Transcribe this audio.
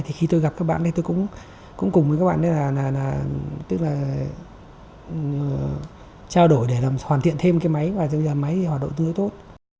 thì khi tôi gặp các bạn ấy tôi cũng cùng với các bạn ấy là trao đổi để làm hoàn thiện thêm cái máy và cho máy họ đổi tươi tốt